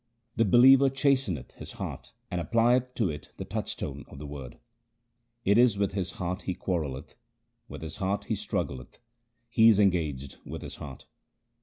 The believer chasteneth his heart and applieth to it the touchstone of the Word. 2 It is with his heart he quarrelleth, with his heart he strug gleth, he is engaged with his heart.